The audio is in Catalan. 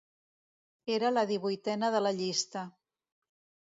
Era la divuitena de la llista.